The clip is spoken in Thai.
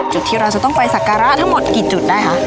จุดที่เราจะต้องไปสักการะทั้งหมดกี่จุดได้คะ